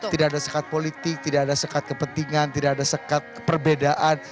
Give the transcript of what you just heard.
tidak ada sekat politik tidak ada sekat kepentingan tidak ada sekat perbedaan